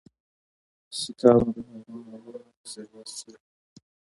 سیکهانو د هغه مالونه او ثروت چور کړ.